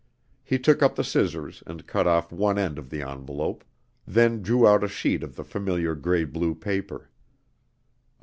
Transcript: He took up the scissors and cut off one end of the envelope, then drew out a sheet of the familiar gray blue paper.